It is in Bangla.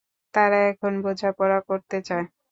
তারা এখন বোঝাপড়া করতে চায়।